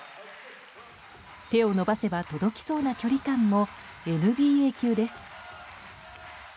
手を伸ばせば届きそうな距離感もＮＢＡ級です。